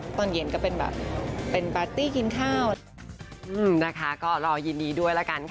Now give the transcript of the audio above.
ตอนเย็นก็เป็นบาร์ตี้กินข้าว